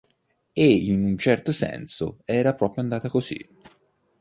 E in un certo senso era proprio andata così.